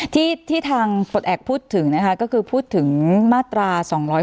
ที่ทางปลดแอบพูดถึงนะคะก็คือพูดถึงมาตรา๒๗